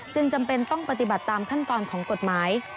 จำเป็นต้องปฏิบัติตามขั้นตอนของกฎหมาย